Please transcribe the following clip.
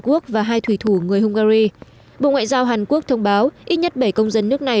quốc và hai thủy thủ người hungary bộ ngoại giao hàn quốc thông báo ít nhất bảy công dân nước này